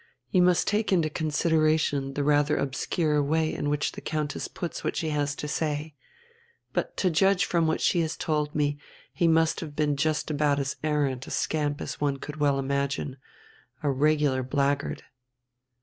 You must take into consideration the rather obscure way in which the Countess puts what she has to say. But, to judge from what she has told me, he must have been just about as arrant a scamp as one could well imagine a regular blackguard."